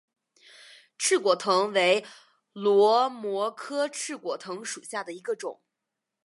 翅果藤为萝藦科翅果藤属下的一个种。